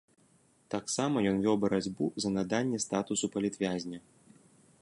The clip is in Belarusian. Таксама ён вёў барацьбу за наданне статусу палітвязня.